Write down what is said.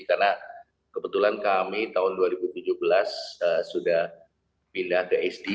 karena kebetulan kami tahun dua ribu tujuh belas sudah pindah ke hd